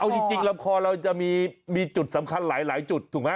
เอาจริงลำคอเราจะมีจุดสำคัญหลายจุดถูกไหม